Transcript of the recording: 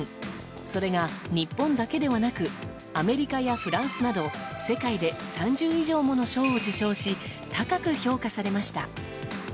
それが日本だけではなくアメリカやフランスなど世界で３０以上もの賞を受賞し高く評価されました。